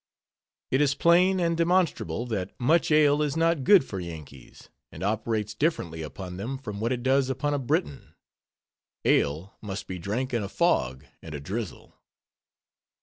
It is plain and demonstrable, that much ale is not good for Yankees, and operates differently upon them from what it does upon a Briton: ale must be drank in a fog and a drizzle.